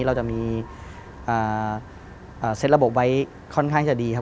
เราจะมีเซ็ตระบบไว้ค่อนข้างจะดีครับ